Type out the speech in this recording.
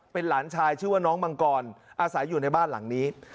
เป็นหลานชายชื่อว่าน้องมังกรอาศัยอยู่ในบ้านหลังนี้